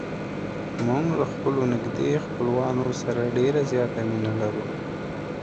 موږ له خپلو نږدې خپلوانو سره ډېره زیاته مینه لرو.